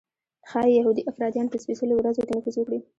ښایي یهودي افراطیان په سپېڅلو ورځو کې نفوذ وکړي.